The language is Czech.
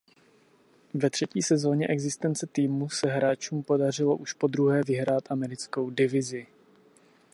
Ve třetí sezoně existence týmu se hráčům podařilo už podruhé vyhrát Americkou divizi.